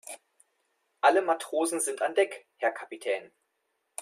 Alle Matrosen sind an Deck, Herr Kapitän.